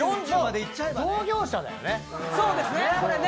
同業者だよね。